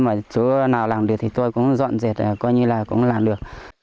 mà chỗ nào làm được thì tôi cũng dọn dẹp coi như là cũng làm được